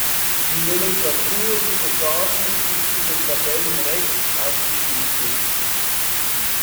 Die Nomenklatur dieser Phasen ist in den Tabellen rechts aufgeschlüsselt.